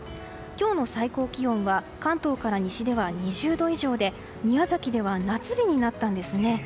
今日の最高気温は関東から西では２０度以上で宮崎では夏日になったんですね。